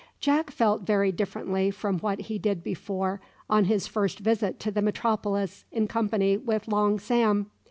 Jack felt very differently from what he did before on his first visit to the metropolis in company with Long Sam.